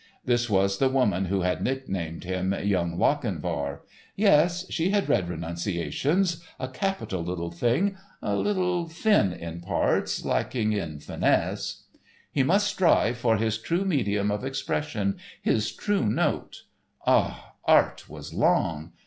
This was the woman who had nicknamed him "Young Lochinvar." Yes, she had read "Renunciations," a capital little thing, a little thin in parts, lacking in finesse. He must strive for his true medium of expression, his true note. Ah, art was long!